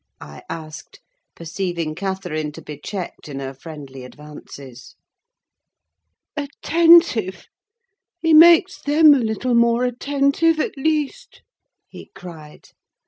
I asked, perceiving Catherine to be checked in her friendly advances. "Attentive? He makes them a little more attentive at least," he cried.